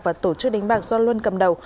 và tổ chức đánh bạc do luân cầm đầu